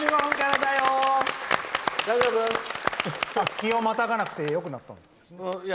日をまたがなくてよくなったんですね。